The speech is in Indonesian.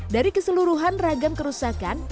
dari keseluruhan ragam kerusakan